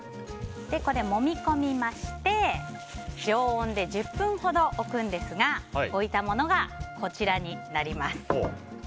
これ、もみ込みまして常温で１０分ほど置くんですが置いたものがこちらになります。